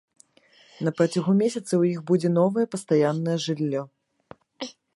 На працягу месяца ў іх будзе новае пастаяннае жыллё.